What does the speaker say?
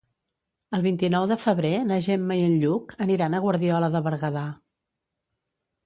El vint-i-nou de febrer na Gemma i en Lluc aniran a Guardiola de Berguedà.